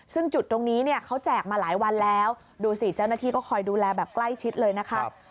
ซึ่งจุดตรงนี้เนี่ยเขาแจกมาหลายวันแล้วดูสิเจ้าหน้าที่ก็คอยดูแลแบบใกล้ชิดเลยนะคะ